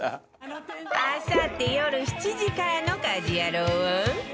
あさってよる７時からの『家事ヤロウ！！！』は